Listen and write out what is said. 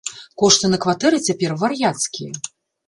Кошты на кватэры цяпер вар'яцкія!